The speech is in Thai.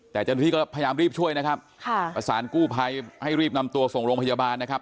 แต่เจ้าหน้าที่ก็พยายามรีบช่วยนะครับค่ะประสานกู้ภัยให้รีบนำตัวส่งโรงพยาบาลนะครับ